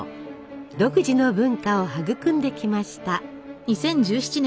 独自の文化を育んできました。